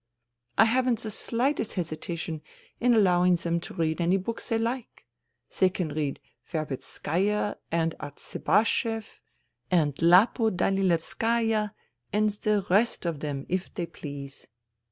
I haven't the slightest hesitation in allowing them to read any books they like. They can read Verbit skaya and Artsibashev and Lappo Danilevskaya and the rest of them if they please.